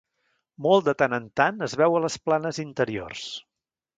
Molt de tant en tant, es veu a les planes interiors.